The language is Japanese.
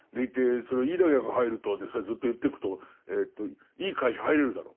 いい大学入るとでそれをずっと言ってくといい会社入れるだろ。